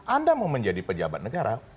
anda mau menjadi pejabat negara